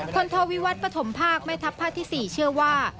โทวิวัตรปฐมภาคแม่ทัพภาคที่๔เชื่อว่า